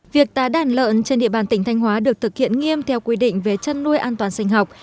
việc tái đàn lợn trên địa bàn tỉnh thanh hóa được thực hiện nghiêm theo quy định về chăn nuôi an toàn sinh học